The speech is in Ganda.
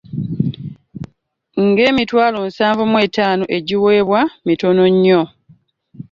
Ng'emitwalo nsanvu mu etaano egibaweebwa mitono nnyo